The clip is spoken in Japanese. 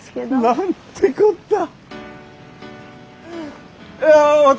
何てこった！